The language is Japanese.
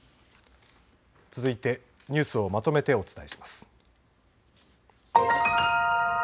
続いてニュースをまとめてお伝えします。